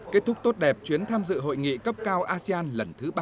kết thúc tốt đẹp chuyến tham dự hội nghị cấp cao asean lần thứ ba mươi ba